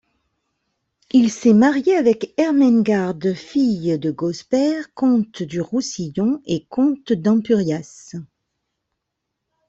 Il s'est marié avec Ermengarde, fille de Gausbert, comte du Roussillon et comte d'Ampurias.